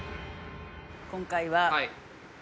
今回は。